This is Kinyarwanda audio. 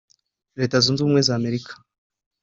Leta Zunze Ubumwe z’America